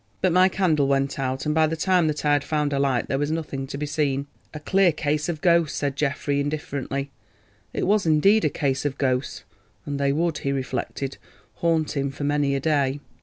But my candle went out and by the time that I had found a light there was nothing to be seen." "A clear case of ghosts," said Geoffrey indifferently. It was indeed a "case of ghosts," and they would, he reflected, haunt him for many a day.